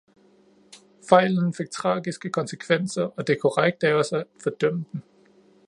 Fejlen fik tragiske konsekvenser, og det er korrekt af os at fordømme den.